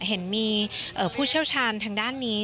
เห็นมีผู้เชี่ยวชาญทางด้านนี้